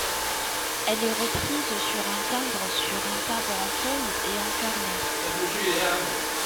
Elle est reprise sur un timbre sur timbre en feuille et en carnet.